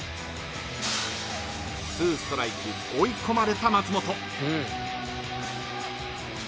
［２ストライク追い込まれた松本］